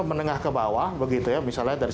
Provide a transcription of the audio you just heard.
menengah ke bawah begitu ya misalnya dari